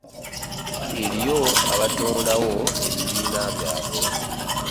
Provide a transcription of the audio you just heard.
Eriyo abatondawo ebibiina byabwe.